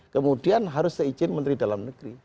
kemudian harus seizin menteri dalam negeri